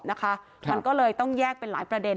มันก็เลยต้องแยกเป็นหลายประเด็น